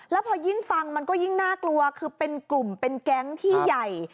แล้วพอยิ่งฟังมันก็ยิ่งน่ากลัวคือเป็นกลุ่มเป็นแก๊งที่ใหญ่